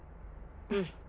うん。